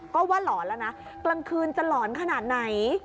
ก็ว่าหลอนแล้วนะกลางคืนจะหลอนขนาดไหน